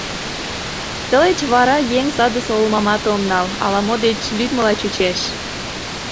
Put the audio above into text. Тылеч вара еҥ садысе олмамат ом нал: ала-мо деч лӱдмыла чучеш...